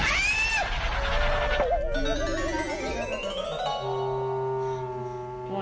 อ่า